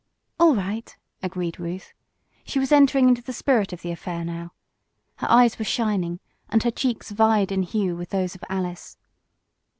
"All right!" agreed Ruth. She was entering into the spirit of the affair now. Her eyes were shining and her cheeks vied in hue with those of Alice.